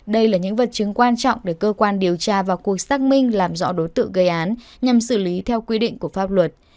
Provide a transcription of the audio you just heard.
đây là những vật chứng quan trọng để cơ quan điều tra vào cuộc xác minh làm rõ đối tượng gây án nhằm xử lý theo quy định của pháp luật